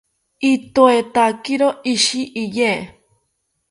itoetakiro ishi iye